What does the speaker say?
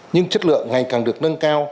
nhưng chất lượng ngày càng được nâng cao